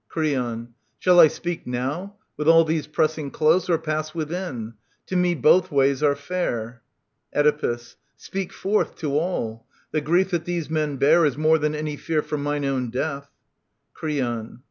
Creon. Shall I speak now, with all these pressing close, Or pass within ?— To me both ways are fair. Oedipus. Speak forth to all ! The grief that these men bear Is more than any fear for mine own death. Creon.